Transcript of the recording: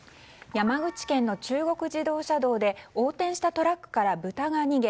山口県の中国自動車道で横転したトラックから豚が逃げ